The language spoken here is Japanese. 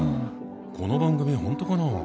この番組本当かな？